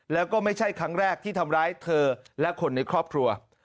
แล้วก็ไม่ใช่ครั้งแรกที่ทำร้ายเธอและคนในครอบครัว